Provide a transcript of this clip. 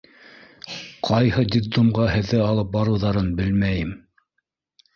— Ҡайһы детдомға һеҙҙе алып барыуҙарын белмәйем.